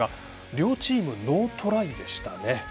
両チーム、ノートライでしたね。